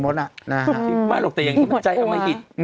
มดอย่างนี้จ่ายก็ไม่อิด